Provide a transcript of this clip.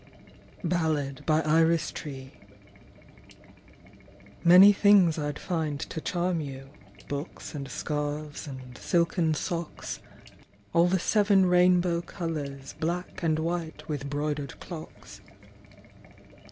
62 IRIS TREE. BALLAD. MANY things I'd find to charm you, Books and scarves and silken socks, All the seven rainbow colours Black and white with 'broidered clocks.